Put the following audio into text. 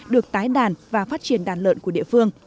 được tái đàn và phát triển đàn lợn của địa phương